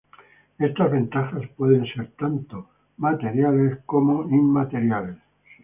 Estas ventajas pueden ser tanto material como inmaterial.